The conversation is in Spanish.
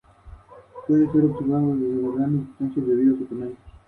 Los objetivos suelen incorporar una rosca para adaptar estos filtros.